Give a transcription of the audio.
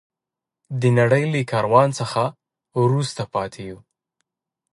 د نړۍ له کاروان څخه وروسته پاتې یو.